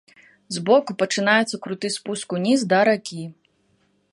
Збоку пачынаецца круты спуск уніз, да ракі.